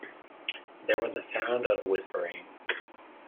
There was a sound of whispering.